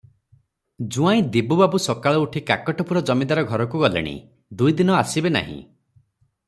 ଜୁଆଇଁ ଦିବୁବାବୁ ସକାଳୁ ଉଠି କାକଟପୁର ଜମିଦାର ଘରକୁ ଗଲେଣି, ଦୁଇ ଦିନ ଆସିବେ ନାହିଁ ।